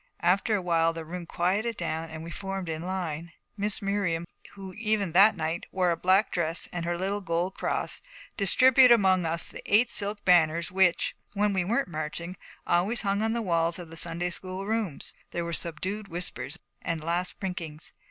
After a while the room quieted down and we formed in line. Miss Miriam, who even that night wore a black dress and her little gold cross, distributed among us the eight silk banners which, when we weren't marching, always hung on the walls of the Sunday school rooms. There were subdued whispers and last prinkings.